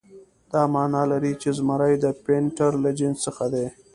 دا معنی لري چې زمری د پینتر له جنس څخه دی.